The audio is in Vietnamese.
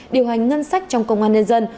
điều hành ngân sách trong công an nhân dân